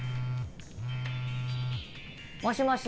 もしもし。